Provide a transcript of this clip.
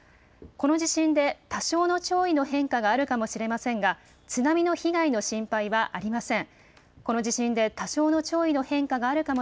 この地震で多少の潮位の変化があるかもしれませんが津波の被害の心配はありません。